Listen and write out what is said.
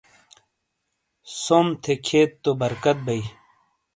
ثوم تھے کھِئیت تو بَرکت بئیی۔